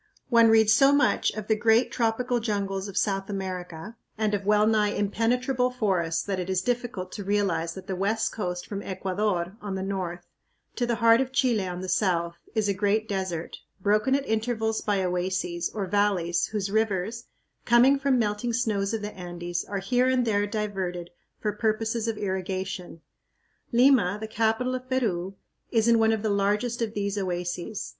One reads so much of the great tropical jungles of South America and of wellnigh impenetrable forests that it is difficult to realize that the West Coast from Ecuador, on the north, to the heart of Chile, on the south, is a great desert, broken at intervals by oases, or valleys whose rivers, coming from melting snows of the Andes, are here and there diverted for purposes of irrigation. Lima, the capital of Peru, is in one of the largest of these oases.